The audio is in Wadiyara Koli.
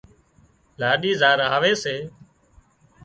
لاڏِي زار آوي سي